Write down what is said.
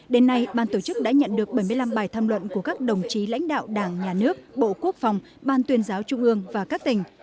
đến nay ban tổ chức đã nhận được bảy mươi năm bài tham luận của các đồng chí lãnh đạo đảng nhà nước bộ quốc phòng ban tuyên giáo trung ương và các tỉnh